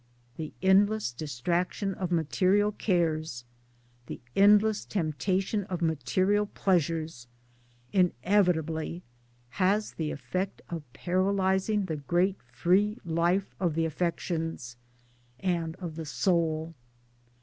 The endless distraction of material cares, the endless temptation of material pleasures, inevitably has the effect of paralysing the great free life of the affections and of the soul.